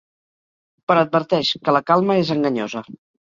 Però adverteix que ‘la calma és enganyosa’.